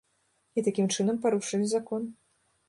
І такім чынам парушылі закон.